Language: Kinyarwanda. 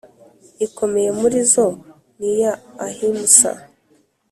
ikomeye muri zo ni iya ahimsa